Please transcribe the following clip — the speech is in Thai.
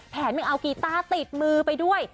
ไม่เอากีต้าติดมือไปด้วย